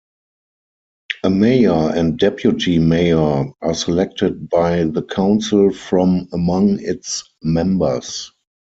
A mayor and deputy mayor are selected by the council from among its members.